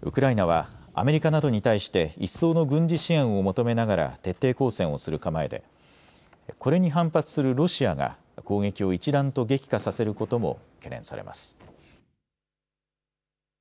ウクライナはアメリカなどに対して一層の軍事支援を求めながら徹底抗戦をする構えでこれに反発するロシアが攻撃を一段と激化させることも懸念されます。